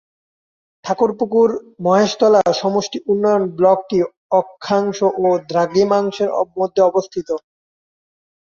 ঠাকুরপুকুর মহেশতলা সমষ্টি উন্নয়ন ব্লকটি অক্ষাংশ ও দ্রাঘিমাংশের মধ্যে অবস্থিত।